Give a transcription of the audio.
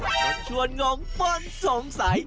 กับชวนงงฝนสงสัย